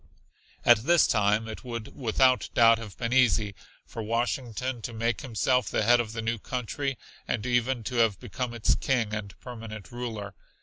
At this time it would without doubt have been easy for Washington to make himself the head of the new country, and even to have become its King and permanent ruler.